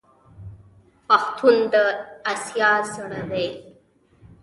پښتون د اسیا زړه دی.